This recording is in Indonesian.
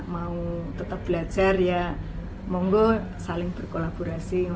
mau tetap belajar ya monggo saling berkolaborasi